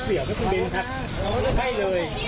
ขอโทษนะครับ